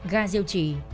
gà diêu trì